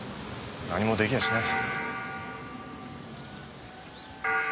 何も出来やしない。